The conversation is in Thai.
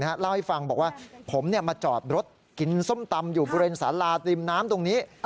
เล่าให้ฟังบอกว่าผมมาจอดรถกินส้มตำอยู่บริเวณสาราริมน้ำตรงนี้